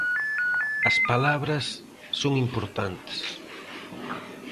As palabras son importantes.